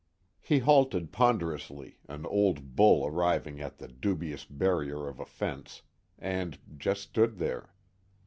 He halted ponderously, an old bull arriving at the dubious barrier of a fence, and just stood there.